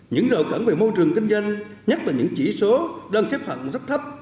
những rậu cản về môi trường kinh doanh nhất là những chỉ số đang xếp hẳn rất thấp